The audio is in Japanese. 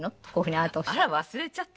あら忘れちゃった。